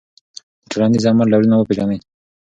د ټولنیز عمل ډولونه وپېژنئ.